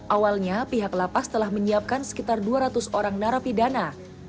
awalnya pihak lapas telah menyiapkan sekitar dua ratus orang narapidana